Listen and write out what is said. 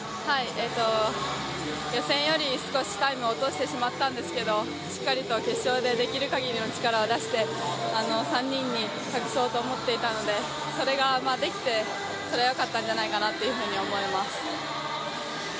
予選より少しタイムを落としてしまったんですけど、しっかりと決勝で、できるかぎりの力を出して３人に託そうと思っていたのでそれができてそれはよかったんじゃないかなと思います。